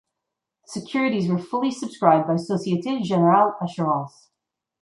The securities were fully subscribed by Societe Generale Assurances.